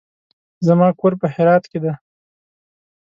زما کور په هرات کې دی.